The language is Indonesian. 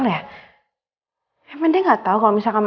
mereka risih sangat banyak kali susah untuk mengtuangkan mama